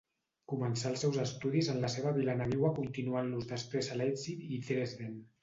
Començà els seus estudis en la seva vila nadiua continuant-los després a Leipzig i Dresden.